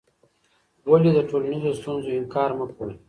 ولې د ټولنیزو ستونزو انکار مه کوې؟